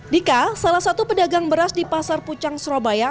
dika salah satu pedagang beras di pasar pucang surabaya